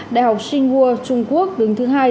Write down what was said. đại học sinh hua trung quốc đứng thứ hai